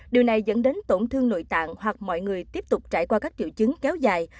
điều này dẫn đến tổn thương nội tạng hoặc mọi người tiếp tục trải qua các triệu chứng kéo dài